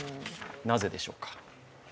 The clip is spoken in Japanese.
なぜでしょうか。